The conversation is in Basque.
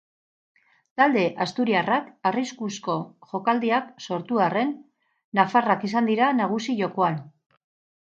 Talde asturiarrak arriskuzko jokaldiak sortu arren, nafarrak izan dira nagusi jokoan.